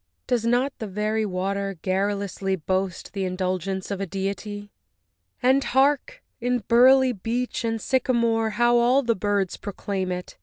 Does not the very water garrulously Boast the indulgence of a deity? And hark! in burly beech and sycamore How all the birds proclaim it!